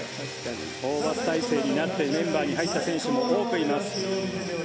ホーバス体制になってメンバーに入った選手も多くいます。